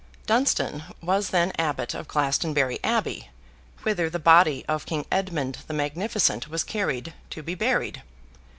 Dunstan was then Abbot of Glastonbury Abbey, whither the body of King Edmund the Magnificent was carried, to be buried.